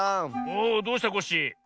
おおどうしたコッシー？